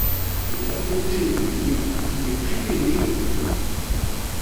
La beauté de l'idée y est privilégiée.